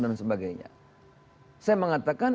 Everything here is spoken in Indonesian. dan sebagainya saya mengatakan